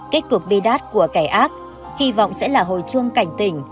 kết cục bi đát của kẻ ác hy vọng sẽ là hồi chuông cảnh tỉnh